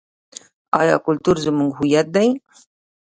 آیا کلتور زموږ هویت دی؟